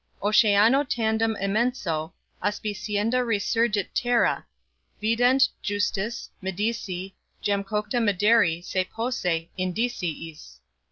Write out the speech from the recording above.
OCEANO TANDEM EMENSO, ASPICIENDA RESURGIT TERRA; VIDENT, JUSTIS, MEDICI, JAM COCTA MEDERI SE POSSE, INDICIIS.